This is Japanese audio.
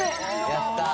やった。